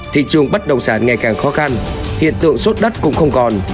thị trường bất động sản ngày càng khó khăn hiện tượng sốt đất cũng không còn